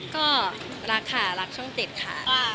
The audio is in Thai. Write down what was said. ก็รักค่ะรักช่องเจ็ดค่ะ